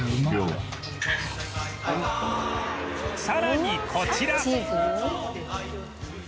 さらにこちら